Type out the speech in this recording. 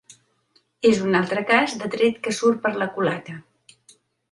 És un altre cas de tret que surt per la culata.